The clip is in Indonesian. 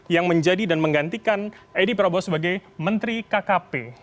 yang menjadi dan menggantikan edi prabowo sebagai menteri kkp